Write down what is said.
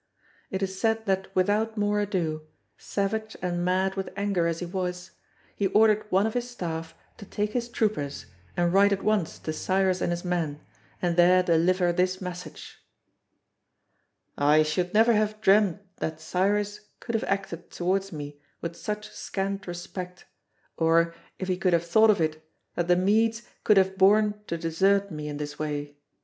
It is said that without more ado, savage and mad with anger as he was, he ordered one of his staff to take his troopers and ride at once to Cyrus and his men, and there deliver this message: "I should never have dreamed that Cyrus could have acted towards me with such scant respect, or, if he could have thought of it, that the Medes could have borne to desert me in this way.